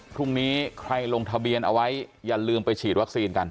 พรุ่งนี้ใครลงทะเบียนเอาไว้อย่าลืมไปฉีดวัคซีนกัน